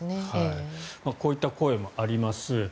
こういった声もあります。